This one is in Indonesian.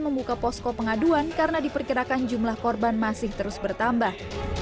membuka posko pengaduan karena diperkirakan jumlah korban masih terus bertambah